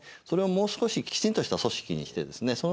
それをもう少しきちんとした組織にしてですね